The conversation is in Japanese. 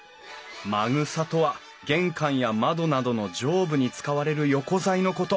まぐさとは玄関や窓などの上部に使われる横材のこと。